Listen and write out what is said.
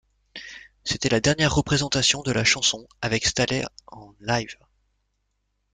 C'était la dernière représentation de la chanson avec Staley en live.